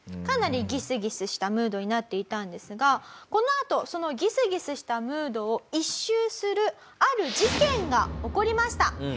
かなりギスギスしたムードになっていたんですがこのあとそのギスギスしたムードを一蹴するある事件が起こりました。